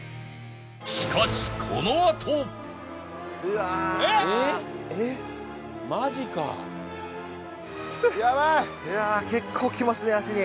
しかしこのあと結構きますね足に。